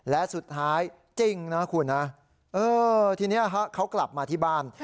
และสุดท้ายจริงนะคุณนะเออทีนี้เขากลับมาที่บ้าน